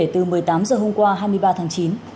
đám giờ hôm qua hai mươi ba tháng chín